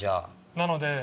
なので。